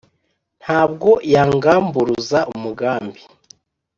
ntabwo yangamburuza umugambi